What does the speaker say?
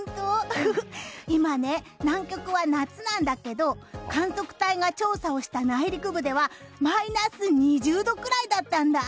今ね、南極は夏なんだけど観測隊が調査をした内陸部ではマイナス２０度くらいだったんだ。